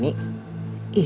biar aku buka